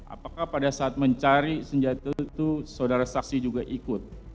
apakah pada saat mencari senjata itu saudara saksi juga ikut